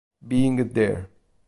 Being There